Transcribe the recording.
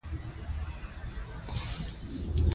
د کورنیو تولیداتو څخه ملاتړ وکړئ.